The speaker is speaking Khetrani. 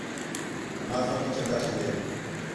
منافع بھی چَنڳا چائین٘دے ہِن